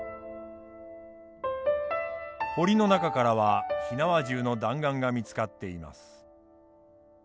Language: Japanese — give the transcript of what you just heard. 堀の中からは火縄銃の弾丸が見つかっています。